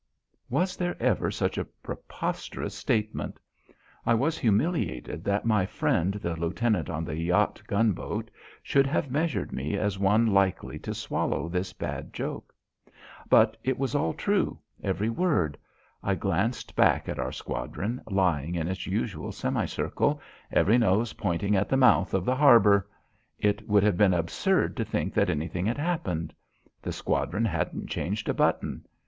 Was there ever such a preposterous statement? I was humiliated that my friend, the lieutenant on the yacht gunboat, should have measured me as one likely to swallow this bad joke. But it was all true; every word. I glanced back at our squadron, lying in its usual semicircle, every nose pointing at the mouth of the harbour. It would have been absurd to think that anything had happened. The squadron hadn't changed a button.